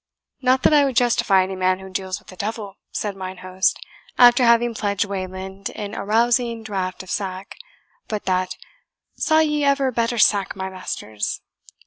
"Not that I would justify any man who deals with the devil," said mine host, after having pledged Wayland in a rousing draught of sack, "but that saw ye ever better sack, my masters?